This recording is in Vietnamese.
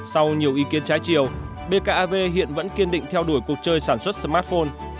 sau nhiều ý kiến trái chiều bkav hiện vẫn kiên định theo đuổi cuộc chơi sản xuất smartphone